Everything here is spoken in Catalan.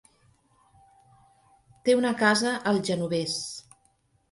Té una casa al Genovés.